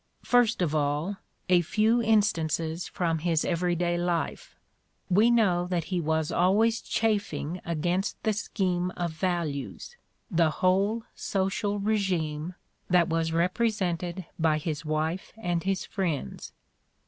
First of all, a few instances from his everyday life. We know that he was always chafing against the scheme of values, the whole social regime, that was represented by his wife and his friends.